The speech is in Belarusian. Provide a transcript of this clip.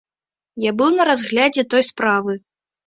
Я быў на разглядзе той справы.